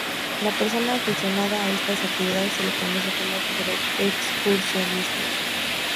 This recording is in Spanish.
La persona aficionada a estas actividades se le conoce como excursionista.